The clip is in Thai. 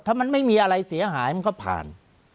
ถ้ามันไม่มีอะไรเสียหายมันก็ผ่าน